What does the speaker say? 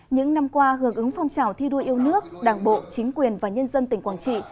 những năm qua hưởng ứng phong trào thi đua yêu nước đảng bộ chính quyền và nhân dân tỉnh quảng trị